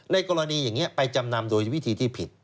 กรณีอย่างนี้ไปจำนำโดยวิธีที่ผิด